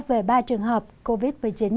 về ba trường hợp covid một mươi chín